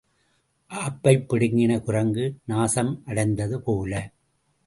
ஆப்பைப் பிடுங்கின குரங்கு நாசம் அடைந்தது போல.